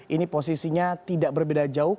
ini posisinya tidak berbeda jauh